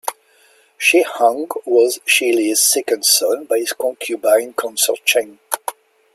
Shi Hong was Shi Le's second son, by his concubine Consort Cheng.